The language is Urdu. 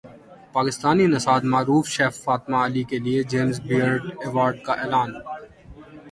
پاکستانی نژاد معروف شیف فاطمہ علی کیلئے جیمز بیئرڈ ایوارڈ کا اعلان